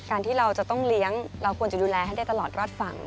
ที่เราจะต้องเลี้ยงเราควรจะดูแลให้ได้ตลอดรอดฝั่ง